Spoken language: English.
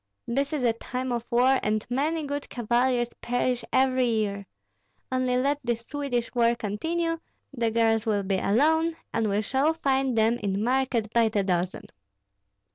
This is a time of war, and many good cavaliers perish every year. Only let this Swedish war continue, the girls will be alone, and we shall find them in market by the dozen."